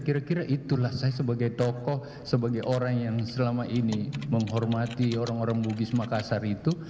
kira kira itulah saya sebagai tokoh sebagai orang yang selama ini menghormati orang orang bugis makassar itu